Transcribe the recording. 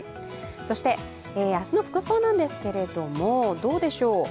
そして、明日の服装なんですけれども、どうでしょう。